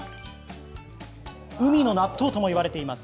海の納豆ともいわれています